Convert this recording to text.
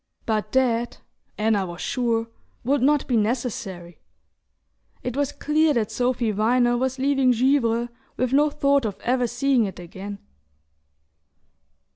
But that, Anna was sure, would not be necessary. It was clear that Sophy Viner was leaving Givre with no thought of ever seeing it again...